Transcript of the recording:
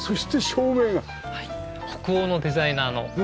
北欧のデザイナーの照明で。